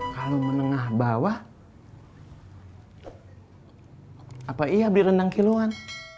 kalau menengah bawah iya beli rendang kiluan